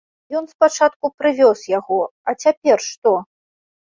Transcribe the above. Ён спачатку прывёз яго, а цяпер што?